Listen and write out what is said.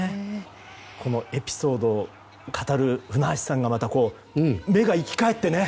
エピソードを語る舟橋さんが目が生き返って。